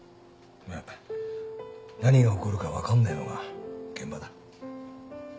まあ何が起こるか分かんねえのが現場だ。